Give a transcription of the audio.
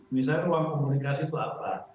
misalnya ruang komunikasi itu apa